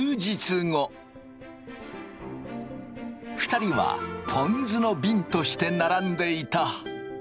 ２人はぽん酢のびんとして並んでいた。